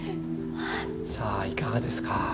さあいかがですか？